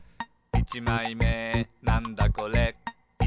いちまいめなんだこれ？」